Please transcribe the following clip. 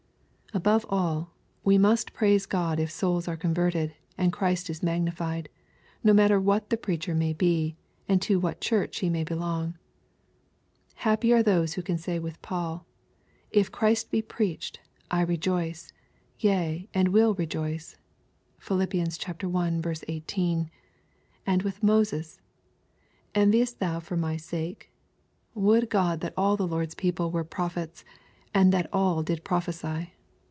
Above all, we must praise God if souls are converted, and Christ is magnified, — no matter who the preacher may be, and to what Church he may belong. Happy are those who can say with Paul, " If Christ be preached, I rejoice, yea and will rejoice," (Phil. i. 18.) and with Moses, " Enviest thou for iny sake ? Would God that all the Lord's people were prophets, and that all did prophesy."